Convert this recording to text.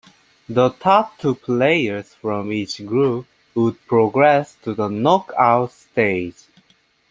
The top two players from each group would progress to the knockout stage.